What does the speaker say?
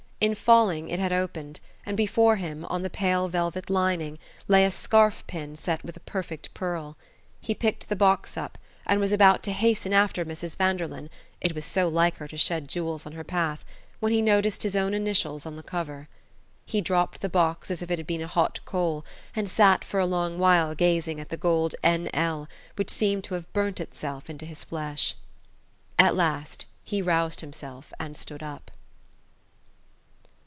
In falling it had opened, and before him, on the pale velvet lining, lay a scarf pin set with a perfect pearl. He picked the box up, and was about to hasten after Mrs. Vanderlyn it was so like her to shed jewels on her path! when he noticed his own initials on the cover. He dropped the box as if it had been a hot coal, and sat for a long while gazing at the gold N. L., which seemed to have burnt itself into his flesh. At last he roused himself and stood up.